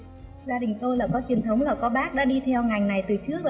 gia đình tôi là có truyền thống và có bác đã đi theo ngành này từ trước